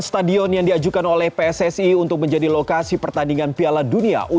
stadion yang diajukan oleh pssi untuk menjadi lokasi pertandingan piala dunia u dua puluh